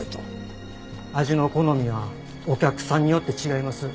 味の好みはお客さんによって違います。